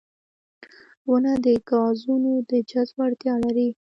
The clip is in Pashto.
• ونه د ګازونو د جذب وړتیا لري.